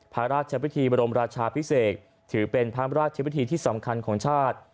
พระราชพิธีบรมราชาพิเศษถือเป็นพระราชพิธีที่สำคัญของชาติ